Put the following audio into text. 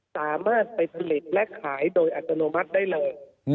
สามารถไปผลิตและขายโดยอัตโนมัติได้เลย